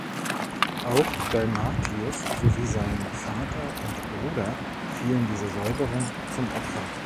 Auch Dalmatius sowie sein Vater und Bruder fielen dieser Säuberung zum Opfer.